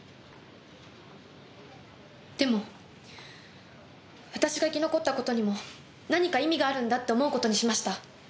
でも私が生き残った事にも何か意味があるんだって思う事にしました。